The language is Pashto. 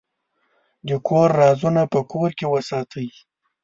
د کور رازونه په کور کې وساتئ.